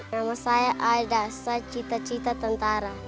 nama saya aidas saya cita cita tentara